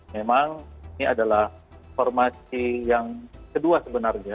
memang ini adalah formasi yang kedua sebenarnya